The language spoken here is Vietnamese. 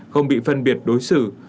không bị phân biệt đối xử